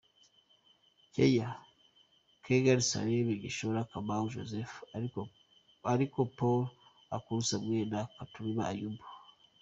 Kenya: Kangangi Suleiman, Gichora Kamau Joseph, Ariko Paul, Ekuru Samuel and Kathurima Ayub.